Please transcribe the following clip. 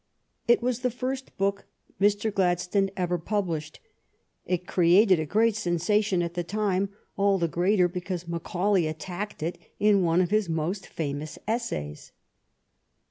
It was the first book Mr. Gladstone ever published. It created a great sensation at the time, all the greater because Macaulay attacked it in one of his most famous essays.